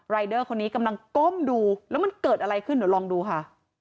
เดอร์คนนี้กำลังก้มดูแล้วมันเกิดอะไรขึ้นเดี๋ยวลองดูค่ะ